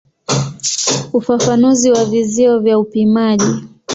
Ufafanuzi wa vizio vya upimaji.